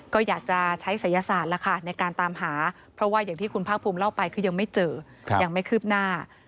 ก็อยากจะใช้ศัยศาสตร์แล้วค่ะในการตามหาเพราะว่าอย่างที่คุณภาคภูมิเล่าไปคือยังไม่เจอยังไม่คืบหน้า